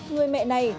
người mẹ này